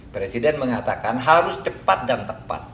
presiden mengatakan harus cepat dan tepat